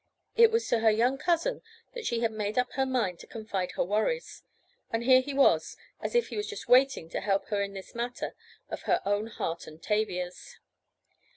It was to her young cousin that she had made up her mind to confide her worries, and here he was, as if he was just waiting to help her in this matter of her own heart and Tavia's.